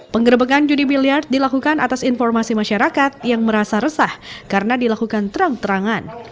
penggerbekan judi biliar dilakukan atas informasi masyarakat yang merasa resah karena dilakukan terang terangan